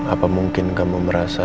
apa mungkin kamu merasa